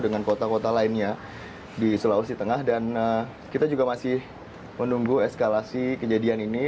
dan kita juga masih menunggu eskalasi kejadian ini